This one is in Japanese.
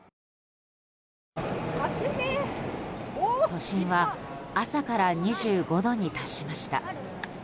都心は朝から２５度に達しました。